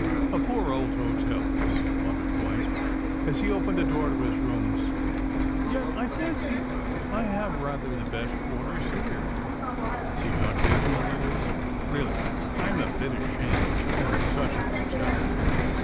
^^A poor old hotel, this,'' muttered White, as he opened the door to his rooms. ^^Yet I fancy 52 THE SUBMARINE BOYS I have rather the best quarters here. See how dismal it is. Really, I'm a bit ashamed to own such a hotel.